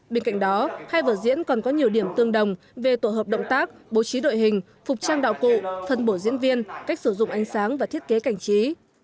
bên cạnh đó hai vợ diễn còn có nhiều điểm tương đồng về tổ hợp động tác bố trí đội hình phục trang đạo cụ phần bổ diễn viên cách sử dụng ánh sáng và thiết kế cảnh trí